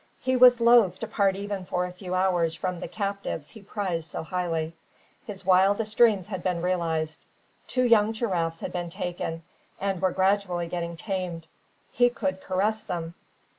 He was loath to part even for a few hours from the captives he prized so highly. His wildest dreams had been realised. Two young giraffes had been taken and were gradually getting tamed. He could caress them.